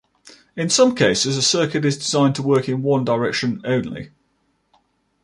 In some cases a circuit is designed to work in one direction only.